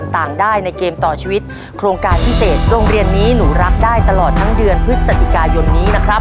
ต่างได้ในเกมต่อชีวิตโครงการพิเศษโรงเรียนนี้หนูรักได้ตลอดทั้งเดือนพฤศจิกายนนี้นะครับ